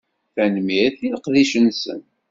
Tanemmirt i leqdic-nsen.